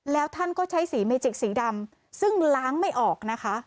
แล้วท่านก็ใช้สีเมจิกสีดำซึ่งล้างไม่ออกนะคะ